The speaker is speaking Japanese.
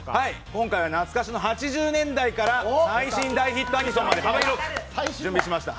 今回は懐かしの８０年代から最新大ヒットアニソンまで幅広く用意しました。